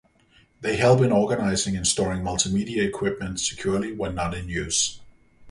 They help in organizing and storing multimedia equipment securely when not in use.